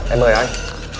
em mời anh